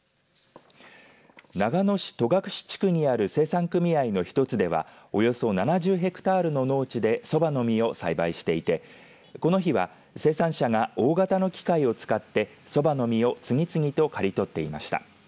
長野市戸隠地区にある生産組合の一つではおよそ７０ヘクタールの農地でそばの実を栽培していてこの日は生産者が大型の機械を使ってそばの実を次々と刈り取っていました。